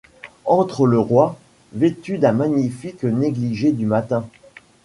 Entre le Roi, vêtu d’un magnifique négligé du matin.